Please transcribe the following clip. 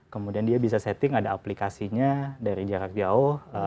kemudian dia bisa setting ada aplikasinya dari jarak jauh